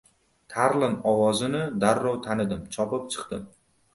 Tarlon ovozini darrov tanidim, chopib chiqdim.